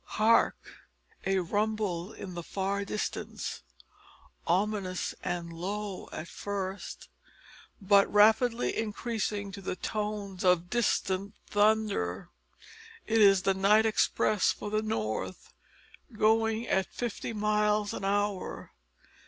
Hark? A rumble in the far distance ominous and low at first, but rapidly increasing to the tones of distant thunder. It is the night express for the North going at fifty miles an hour.